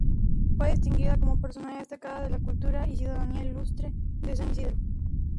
Fue distinguida como personalidad destacada de la cultura y ciudadanía ilustre de San Isidro.